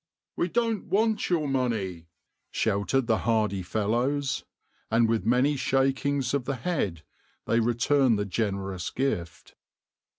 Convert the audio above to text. "We don't want your money," shouted the hardy fellows, and with many shakings of the head they returned the generous gift.